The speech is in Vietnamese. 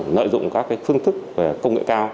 nợ dụng các phương thức về công nghệ cao